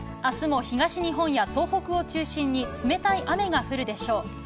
明日も東日本や東北を中心に冷たい雨が降るでしょう。